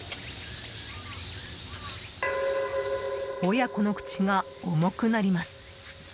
親子の口が重くなります。